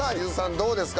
どうですか？